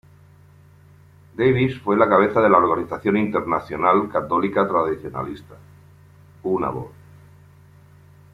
Davies fue la cabeza de la organización internacional católica tradicionalista Una Voce.